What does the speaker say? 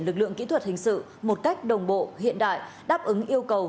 lực lượng kỹ thuật hình sự một cách đồng bộ hiện đại đáp ứng yêu cầu